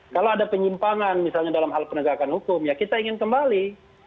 kalau ada penyimpangan misalnya dalam hal penegakan hukum ya kita ingin kembali